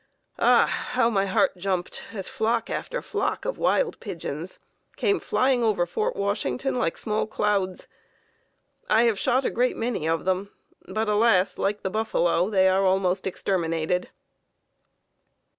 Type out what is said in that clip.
Ah! how my heart jumped as flock after flock of wild pigeons came flying over Fort Washington like small clouds. I have shot a great many of them, but alas, like the buffalo, they are almost exterminated."